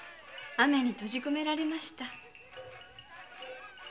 雨に閉じこめられました。